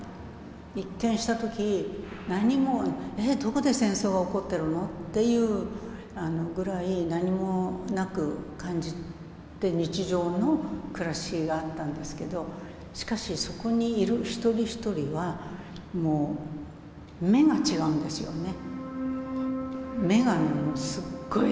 一見した時何もえっどこで戦争が起こってるの？っていうぐらい何もなく感じて日常の暮らしがあったんですけどしかしそこにいる一人一人はもう目が違うんですよね。